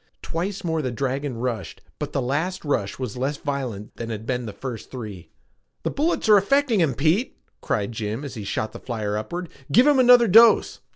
Twice more the dragon rushed but the last rush was less violent than had been the first three. "The bullets are affecting him, Pete!" cried Jim as he shot the flyer upward. "Give him another dose!"